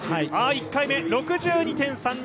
１回目、６２．３２！